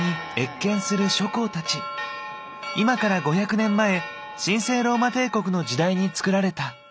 今から５００年前神聖ローマ帝国の時代に作られた。